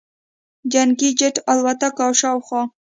جنګي جټ الوتکو او شاوخوا